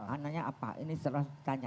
ananya apa ini selalu ditanya